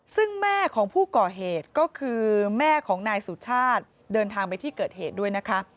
ซึ่งแม่ของผู้ก่อเหตุก็คือแม่ของนายสุชาติเดินทางไปที่เกิดเหตุด้วยนะคะ